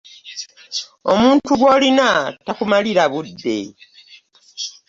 Omuntu gw'olina takumalira budde?